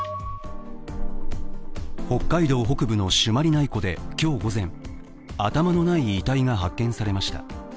北海道北部の朱鞠内湖で今日午前頭のない遺体が発見されました。